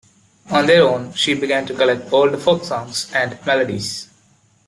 On their own, she began to collect old folk songs and melodies.